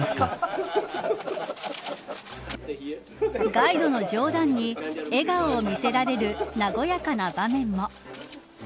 ガイドの冗談に笑顔を見せられる和やかな場面も。